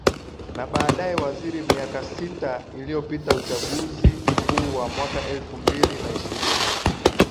na baadaye waziri miaka sita iliyopitaUchaguzi Mkuu wa mwaka elfu mbili na ishirini